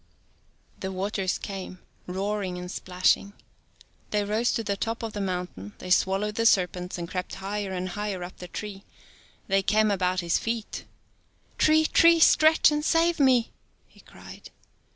84 The waters came, roaring and splashing. They rose to the top of the mountain, they swallowed the serpents, and crept higher and higher up the tree. They came about his feet. " Tree, Tree, stretch and save me," he cried.